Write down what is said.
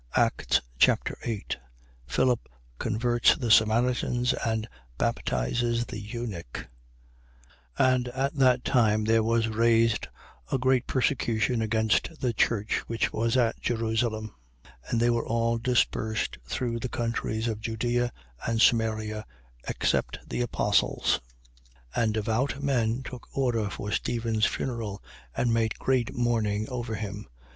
Acts Chapter 8 Philip converts the Samaritans and baptizes the eunuch. 8:1. And at that time, there was raised a great persecution against the church which was at Jerusalem. And they were all dispersed through the countries of Judea, and Samaria, except the apostles. 8:2. And devout men took order for Stephen's funeral and made great mourning over him.